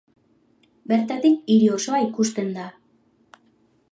Bertatik hiri osoa ikusten da.